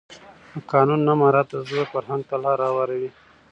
د قانون نه مراعت د زور فرهنګ ته لاره هواروي